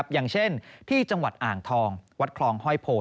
อย่างเช่นที่จังหวัดอ่างทองวัดคลองห้อยโพ